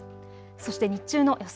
そして日中の予想